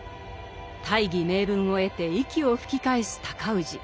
大義名分を得て息を吹き返す尊氏。